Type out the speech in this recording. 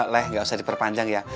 leh nggak usah diperpanjang ya